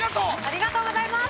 ありがとうございます！